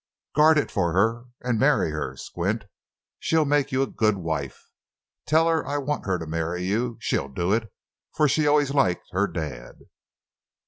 Guard it for her, and marry her, Squint; she'll make you a good wife. Tell her I want her to marry you; she'll do it, for she always liked her "dad."